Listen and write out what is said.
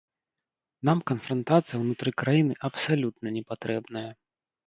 Нам канфрантацыя ўнутры краіны абсалютна не патрэбная.